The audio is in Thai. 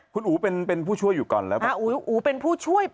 คุณอู๋เป็นผู้ช่วยอยู่ก่อนแล้วก็อู๋อู๋เป็นผู้ช่วย